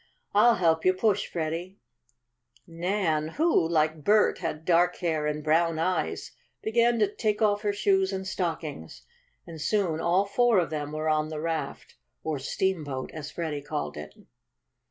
"I'll help you push, Freddie." Nan, who, like Bert, had dark hair and brown eyes, began to take off her shoes and stockings, and soon all four of them were on the raft or steamboat, as Freddie called it.